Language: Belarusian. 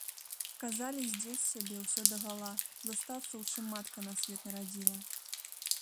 Казалі здзець з сябе ўсё дагала, застацца у чым матка на свет нарадзіла.